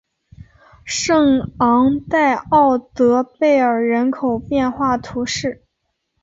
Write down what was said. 圣昂代奥德贝尔人口变化图示